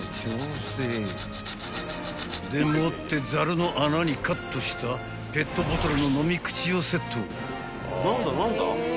でもってザルの穴にカットしたペットボトルの飲み口をセット］